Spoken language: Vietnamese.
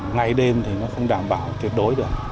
ngày đêm thì nó không đảm bảo tuyệt đối được